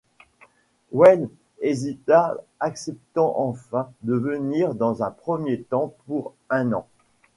Weyl hésita, acceptant enfin de venir dans un premier temps pour un an.